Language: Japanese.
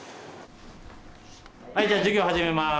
はいじゃあ授業始めます。